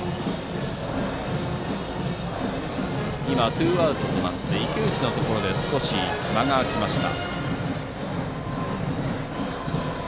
ツーアウトとなって池内のところで少し間が空きました。